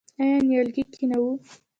آیا نیالګی کینوو؟